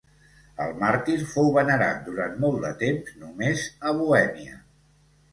El màrtir fou venerat durant molt de temps només a Bohèmia.